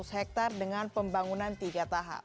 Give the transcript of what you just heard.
satu delapan ratus hektare dengan pembangunan tiga tahap